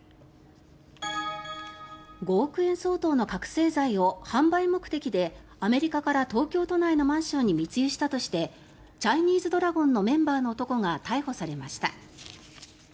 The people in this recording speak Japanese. ５億円相当の覚醒剤を販売目的でアメリカから東京都内のマンションに密輸したとしてチャイニーズドラゴンのメンバーの男が逮捕されました。